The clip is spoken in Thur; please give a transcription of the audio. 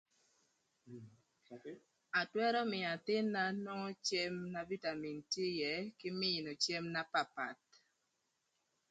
Atwërö mïö athïn-na nwongo cem na bitamin tye ïë kï mïïnö cem na papath.